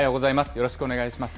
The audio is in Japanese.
よろしくお願いします。